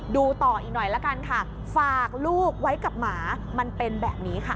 ดูต่ออีกหน่อยละกันค่ะฝากลูกไว้กับหมามันเป็นแบบนี้ค่ะ